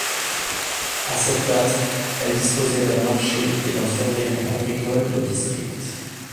À cette date elle disposait d'un marché et d'un surveillant agricole de district.